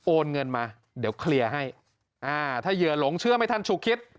โอนเงินมาเดี๋ยวเคลียร์ให้อ่าถ้าเหยื่อหลงเชื่อไม่ทันชูคิด